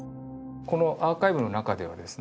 このアーカイブの中ではですね